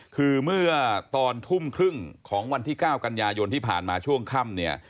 คือเมื่อตอนทุ่มครึ่งของวันที่๙กันยายนที่ผ่านมาช่วงค่ำเนี่ย